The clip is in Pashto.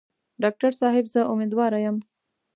ډاکټر صاحب زه امیندواره یم.